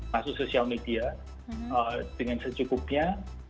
masuk sosial media dengan secukupnya